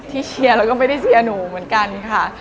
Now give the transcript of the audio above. เชียร์แล้วก็ไม่ได้เชียร์หนูเหมือนกันค่ะ